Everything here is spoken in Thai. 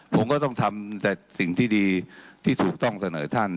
ผมก็ต้องทำแต่สิ่งที่ดีที่ถูกต้องเสนอท่าน